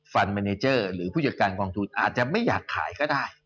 เมเนเจอร์หรือผู้จัดการกองทุนอาจจะไม่อยากขายก็ได้